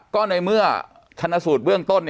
ก็ในเมื่อชนะสูตรเบื้องต้น